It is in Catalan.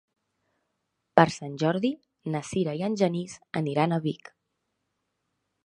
Per Sant Jordi na Sira i en Genís aniran a Vic.